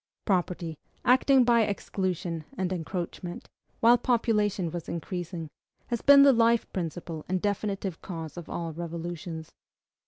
Property, acting by exclusion and encroachment, while population was increasing, has been the life principle and definitive cause of all revolutions.